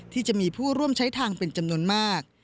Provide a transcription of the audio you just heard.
ที่จะมีผู้ร่วมใช้ทางเป็นจำนวนมาก